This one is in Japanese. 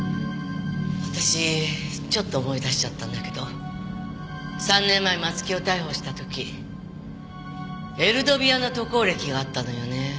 私ちょっと思い出しちゃったんだけど３年前松木を逮捕した時エルドビアの渡航歴があったのよね。